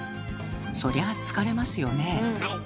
そりゃ疲れますよね。